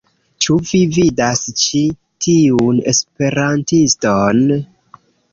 Ĉu vi vidas ĉi tiun esperantiston?